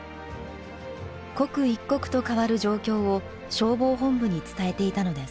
刻一刻と変わる状況を消防本部に伝えていたのです。